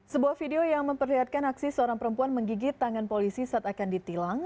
sebuah video yang memperlihatkan aksi seorang perempuan menggigit tangan polisi saat akan ditilang